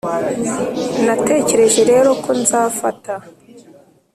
natekereje rero ko nzafata